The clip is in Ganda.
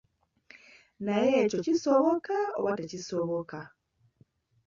Naye ekyo kisoboka oba tekisoboka?